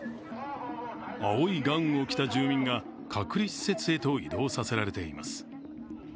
青いガウンを着た住民が隔離施設へと移動させられています。